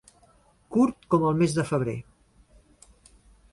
Curt com el mes de febrer.